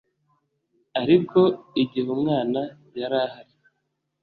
ariko igihe umwana yari ahari